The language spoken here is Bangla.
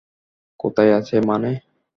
কোথায় আছে মানে?